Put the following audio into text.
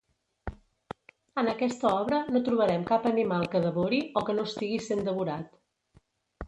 En aquesta obra no trobarem cap animal que devori o que no estigui sent devorat.